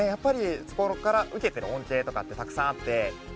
そこから受けてる恩恵とかってたくさんあって。